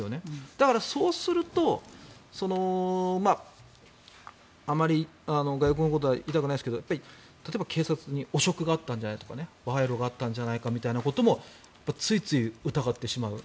だから、そうするとあまり外国のことは言いたくないですが例えば、警察に汚職があったんじゃないかとか賄賂があったんじゃないかみたいなこともついつい疑ってしまう。